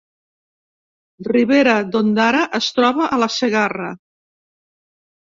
Ribera d’Ondara es troba a la Segarra